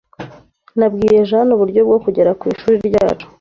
Nabwiye Jane uburyo bwo kugera ku ishuri ryacu.